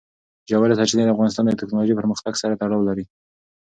ژورې سرچینې د افغانستان د تکنالوژۍ پرمختګ سره تړاو لري.